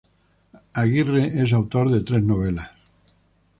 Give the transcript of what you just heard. Agirre es autor de tres novelas.